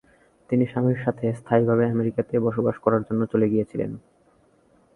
তিনি স্বামীর সাথে স্থায়ীভাবে আমেরিকাতে বসবাস করার জন্য চলে গিয়েছিলেন।